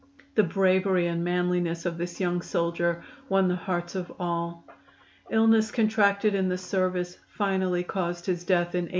The bravery and manliness of this young soldier won the hearts of all. Illness contracted in the service finally caused his death in 1867.